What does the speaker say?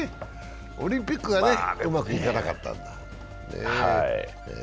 オリンピックがうまくいかなかったんだ。